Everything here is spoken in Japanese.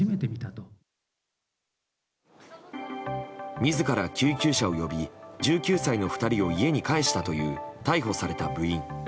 自ら救急車を呼び１９歳の２人を家に帰したという逮捕された部員。